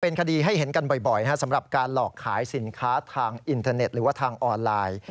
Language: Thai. เป็นคดีให้เห็นกันบ่อยสำหรับการหลอกขายสินค้าทางอินเทอร์เน็ตหรือว่าทางออนไลน์